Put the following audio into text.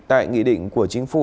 tại nghị định của chính phủ